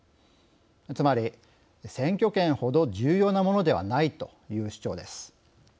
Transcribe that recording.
つまり選挙権ほど重要なものではないという主張です。